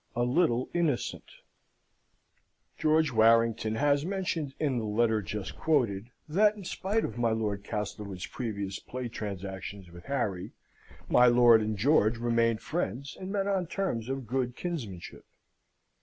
A Little Innocent George Warrington has mentioned in the letter just quoted, that in spite of my Lord Castlewood's previous play transactions with Harry, my lord and George remained friends, and met on terms of good kinsmanship.